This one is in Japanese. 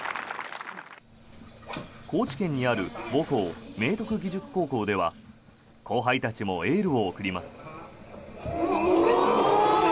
高知県にある母校・明徳義塾高校では後輩たちもエールを送ります。